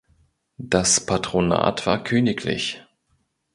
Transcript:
Das Patronat war königlich.